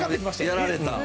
やられた。